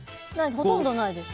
ほとんどないです。